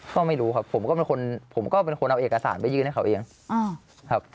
ก็ไม่รู้ครับผมก็เป็นคนเอาเอกสารไปยืนให้เขาเองครับ